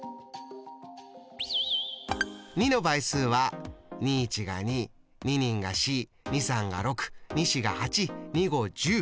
２の倍数は２１が２２２が４２３が６２４が８２５１０。